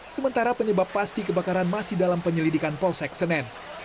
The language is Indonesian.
sementara penyebab pasti kebakaran masih dalam penyelidikan polsek senen